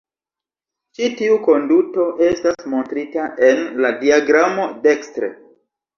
Ĉi tiu konduto estas montrita en la diagramo dekstre.